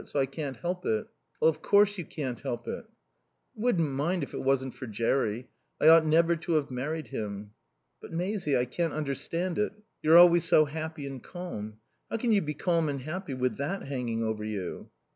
So I can't help it." "Of course you can't help it." "I wouldn't mind if it wasn't for Jerry. I ought never to have married him." "But, Maisie, I can't understand it. You're always so happy and calm. How can you be calm and happy with that hanging over you?"